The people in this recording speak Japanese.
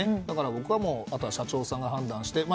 僕は、あとは社長さんが判断してと。